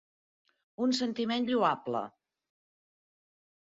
Un sentiment lloable.